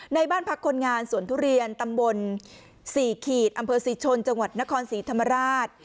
ในบ้านพักคนงานสวนทุเรียนตำบล๔ขีดอำเภอศรีชนจังหวัดนครศรีธรรมราช